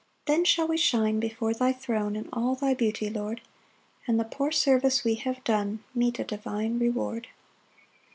4 Then shall we shine before thy throne In all thy beauty, Lord; And the poor service we have done Meet a divine reward.